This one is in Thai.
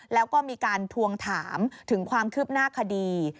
แล้วก็มีการทวงถามถึงความคืบหน้าคดี